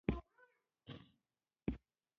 و، شنډو مځکوته غنم، غنم زامن ورکړه